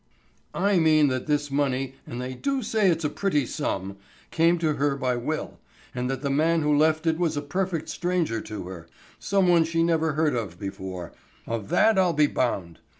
"I mean that this money, and they do say it's a pretty sum, came to her by will, and that the man who left it was a perfect stranger to her, someone she never heard of before, of that I'll be bound.